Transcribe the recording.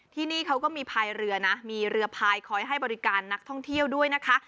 ที่นี่เขาก็มีพายเรือนะมีเรือพายคอยให้บริการนักท่องเที่ยวด้วยนะคะ